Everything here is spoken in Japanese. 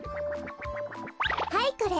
はいこれ。